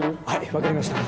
分かりました。